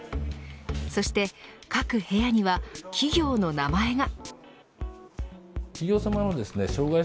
そして、各部屋には企業の名前が。